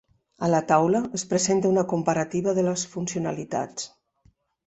A la taula es presenta una comparativa de les funcionalitats.